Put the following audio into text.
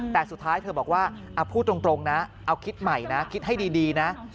แต่สุดท้ายเธอบอกว่าพูดตรงนะเอาคิดใหม่นะคิดให้ดีนะ